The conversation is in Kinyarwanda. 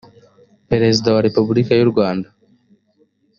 perezida wa repubulika y u rwanda